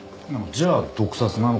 じゃあ毒殺なのか。